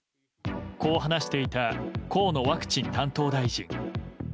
こう話していた河野ワクチン担当大臣。